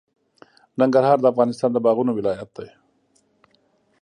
ننګرهار د افغانستان د باغونو ولایت دی.